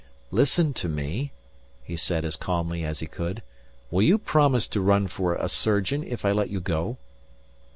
"Listen to me," he said as calmly as he could. "Will you promise to run for a surgeon if I let you go?"